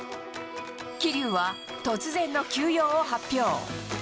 桐生は突然の休養を発表。